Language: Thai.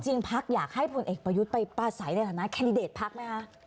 จริงภักดิ์อยากให้ผลเอกประยุทธ์ไปป้าใส่ได้หรือเปล่านะแคนดิเดตภักดิ์ไหมฮะ